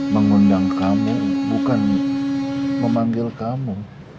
mengundang kamu bukan memanggil kamu